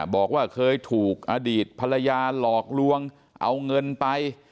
บอกว่าเคยถูกอดีตภรรยาหลอกลวงเอาเงินไป